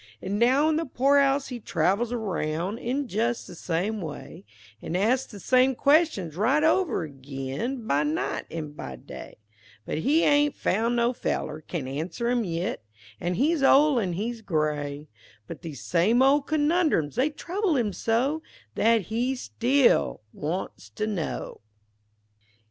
An' now in the poorhouse he travels aroun' In just the same way, An' asks the same questions right over ag'in, By night an' by day; But he haint foun' no feller can answer 'em yit, An' he's ol' an' he's gray, But these same ol' conundrums they trouble him so, That he still wants to know.